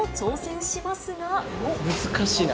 難しいな。